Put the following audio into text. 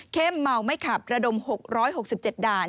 เมาไม่ขับระดม๖๖๗ด่าน